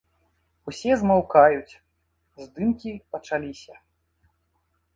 Усе змаўкаюць, здымкі пачаліся.